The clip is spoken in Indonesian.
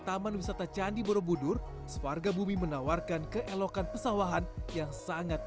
taman wisata candi borobudur sewarga bumi menawarkan keelokan pesawahan yang sangat